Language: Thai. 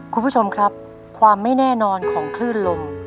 คุณผู้ชมครับความไม่แน่นอนของคลื่นลม